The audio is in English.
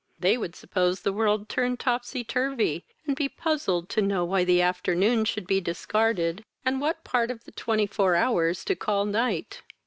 They would suppose the world turned topsy turvy, and be puzzled to know why the afternoon should be discarded, and what part of the twenty four hours to call night.